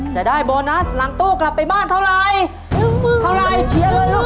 เชียร์เลยเอาเลยได้๑หมื่น